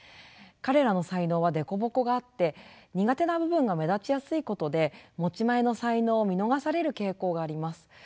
彼らの才能は凸凹があって苦手な部分が目立ちやすいことで持ち前の才能を見逃される傾向があります。